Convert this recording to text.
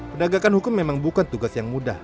pendagangan hukum memang bukan tugas yang mudah